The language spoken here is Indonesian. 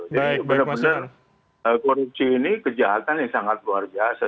jadi benar benar korupsi ini kejahatan yang sangat luar biasa